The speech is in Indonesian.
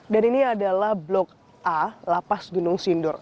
dan ini adalah blok a lapas gunung sindur